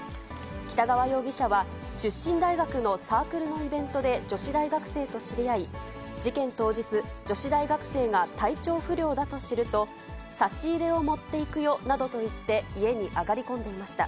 北川容疑者は出身大学のサークルのイベントで女子大学生と知り合い、事件当日、女子大学生が体調不良だと知ると、差し入れを持っていくよなどと言って、家に上がり込んでいました。